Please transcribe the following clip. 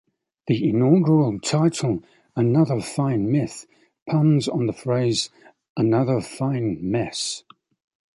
The inaugural title "Another Fine Myth" puns on the phrase "another fine mess".